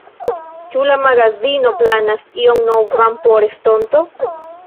Ĉu la magazino planas ion novan por estonto?